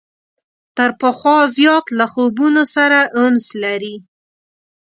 تر پخوا زیات له خوبونو سره انس لري.